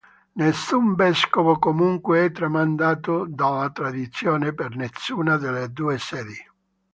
Nessun vescovo comunque è tramandato dalla tradizione, per nessuna delle due sedi.